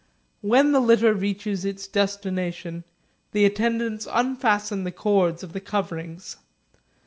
When the litter reaches its destination, the attendants unfasten the cords of the coverings.